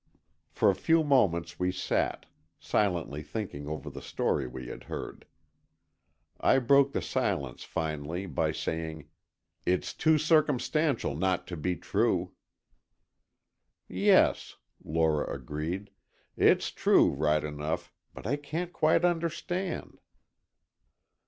For a few moments we sat, silently thinking over the story we had heard. I broke the silence finally by saying, "It's too circumstantial not to be true." "Yes," Lora agreed, "it's true, right enough, but I can't quite understand."